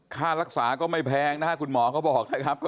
ค่ารักษาก็ไม่แพงนะครับคุณหมอเขาบอกนะครับ